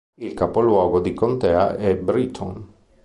Il capoluogo di contea è Britton.